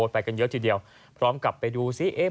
ไปกันเยอะทีเดียวพร้อมกับไปดูซิ